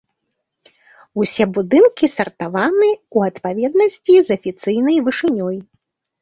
Усе будынкі сартаваны ў адпаведнасці з афіцыйнай вышынёй.